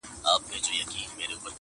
چيري که خوړلی د غلیم پر کور نمګ وي یار,